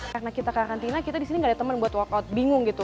karena kita ke kantina kita di sini enggak ada teman buat workout bingung gitu